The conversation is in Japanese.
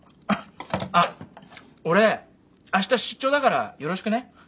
あっ俺あした出張だからよろしくね。